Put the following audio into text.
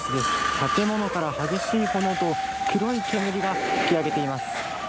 建物から激しい炎と黒い煙が噴き上げています。